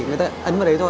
người ta ấn vào đấy thôi